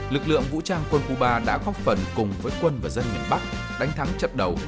lực lượng vũ trang quân khu ba đã góp phần cùng với quân và dân miền bắc đánh thắng chất đầu